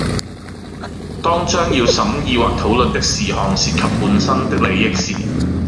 當將要審議或討論的事項涉及本身的利益時